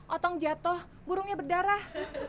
otong jatuh burungnya berdarah